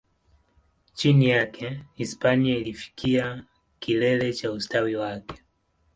Chini yake, Hispania ilifikia kilele cha ustawi wake.